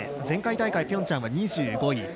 前回大会ピョンチャンは２５位。